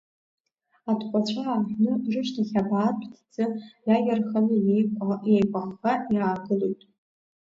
Атҟәацәа ааҳәны рышьҭахь абаатә ҭӡы иаиарханы иеикәаӷӷа иаагылоит.